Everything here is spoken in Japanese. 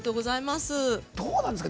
どうなんですか？